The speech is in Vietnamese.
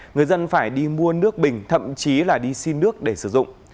người dân phải đi mua nước bình thậm chí là đi xin nước để sử dụng